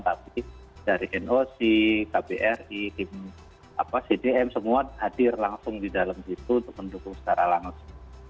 tapi dari noc kbri tim cdm semua hadir langsung di dalam situ untuk mendukung secara langsung